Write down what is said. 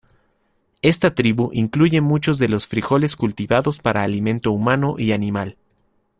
Esta tribu incluye muchos de los frijoles cultivados para alimento humano y animal.